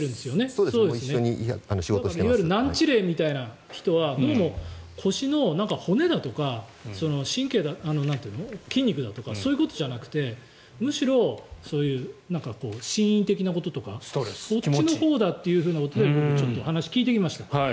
難治例みたいな人はどうも腰の骨だとか神経だとか筋肉だとかそういうことじゃなくてむしろ、心因的なこととかそっちのほうだということで僕は話を聞いてきました。